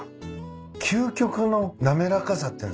究極の滑らかさっていうんですかね。